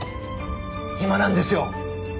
今なんですよ。